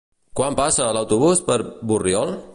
Quan passa l'autobús per Borriol?